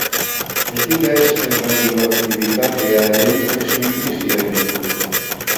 Ez dira ez erradioaktibitatearen ez minbiziaren beldur.